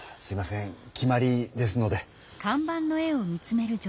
決まりですので。